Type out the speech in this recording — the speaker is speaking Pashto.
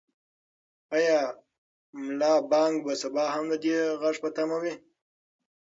آیا ملا بانګ به سبا هم د دې غږ په تمه وي؟